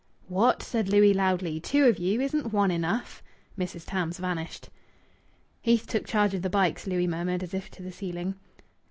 "What?" said Louis loudly. "Two of you! Isn't one enough?" Mrs. Tams vanished. "Heath took charge of the bikes," Louis murmured, as if to the ceiling.